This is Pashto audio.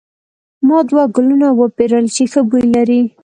ما دوه ګلونه وپیرل چې ښه بوی لري.